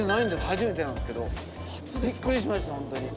初めてなんですけどびっくりしましたホントに。